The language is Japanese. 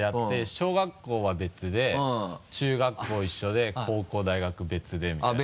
小学校は別で中学校一緒で高校大学別でみたいな。